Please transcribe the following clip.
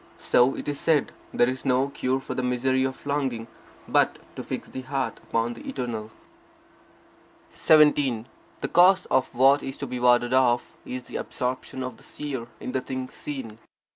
So it is said, there is no cure for the misery of longing, but to fix the heart upon the eternal. 17. The cause of what is to be warded off, is the absorption of the Seer in things seen.